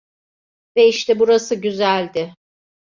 Ve işte burası güzeldi.